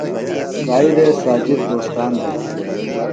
سعیدے ساجد دوستان دےۡ۔